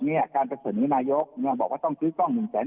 เนี้ยการประสแลนด์มินาโยคเนี้ยบอกว่าต้องซื้อกล้องหนึ่งแสน